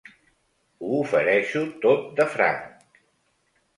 Ho ofereixo tot de franc.